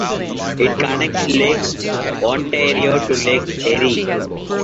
It connects Lake Ontario to Lake Erie.